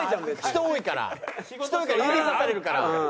人多いから指さされるから。